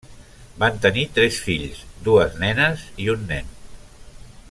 Van tenir tres fills: dues nenes i un nen.